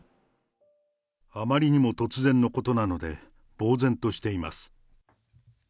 あまりにも突然のことなので、ぼう然としています。